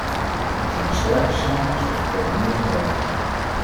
We zullen sterker zijn als we gecoördineerd te werk gaan.